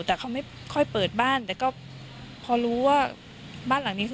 แต่เขาไม่ค่อยเปิดบ้านแต่ก็พอรู้ว่าบ้านหลังนี้คือ